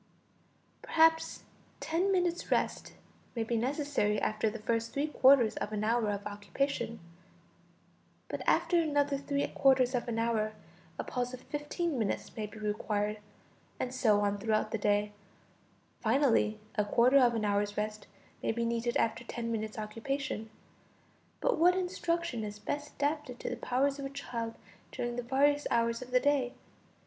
Perhaps ten minutes' rest may be necessary after the first three quarters of an hour of occupation; but after another three quarters of an hour, a pause of fifteen minutes may be required, and so on throughout the day; finally, a quarter of an hour's rest may be needed after ten minutes' occupation. But what instruction is best adapted to the powers of a child during the various hours of the day?